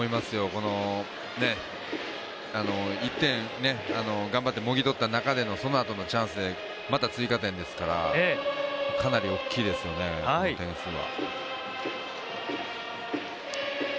この１点頑張ってもぎ取った中でのそのあとのチャンスでまた追加点ですから、かなり大きいですよね、この点数は。